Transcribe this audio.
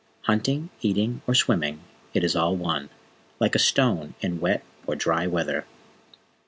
Hunting, eating, or swimming, it is all one like a stone in wet or dry weather."